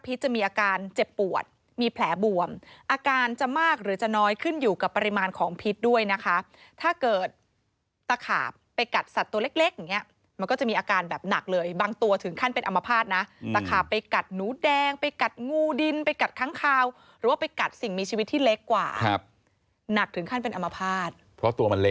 จะมีอาการเจ็บปวดมีแผลบวมอาการจะมากหรือจะน้อยขึ้นอยู่กับปริมาณของพิษด้วยนะคะถ้าเกิดตะขาบไปกัดสัตว์ตัวเล็กเล็กอย่างเงี้ยมันก็จะมีอาการแบบหนักเลยบางตัวถึงขั้นเป็นอมภาษณ์นะตะขาบไปกัดหนูแดงไปกัดงูดินไปกัดค้างคาวหรือว่าไปกัดสิ่งมีชีวิตที่เล็กกว่าครับหนักถึงขั้นเป็นอมภาษณ์เพราะตัวมันเล็ก